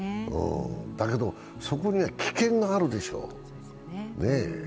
だけど、そこには危険があるでしょう。